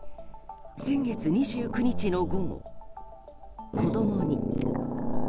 先月２９日の午後、子供に。